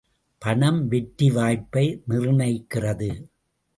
பணம் வெற்றி வாய்ப்பை நிர்ணயிக்கிறது.